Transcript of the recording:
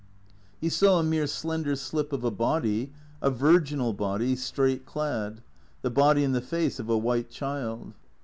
He saw a mere slender slip of a body, a virginal body, straight clad ; the body and the face of a white child.